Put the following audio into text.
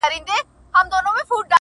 اوس یې خلګ پر دې نه دي چي حرام دي,